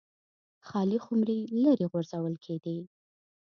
خالي خُمرې لرې غورځول کېدې.